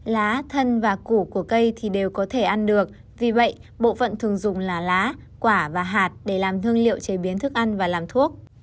lá thân và củ của cây thì đều có thể ăn được vì vậy bộ phận thường dùng là lá quả và hạt để làm thương hiệu chế biến thức ăn và làm thuốc